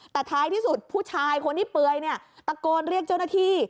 แต่ท้ายที่สุดผู้ชายคนที่เปลือยเนี่ยตะโกนเรียกเจ้าหน้าที่